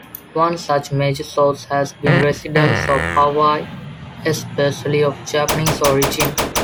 One such major source has been residents of Hawaii, especially of Japanese origin.